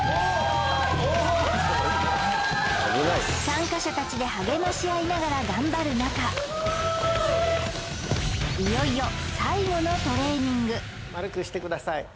参加者たちで励まし合いながら頑張る中いよいよ丸くしてください